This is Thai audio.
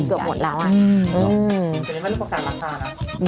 นั่นเกือบหมดแล้วอืม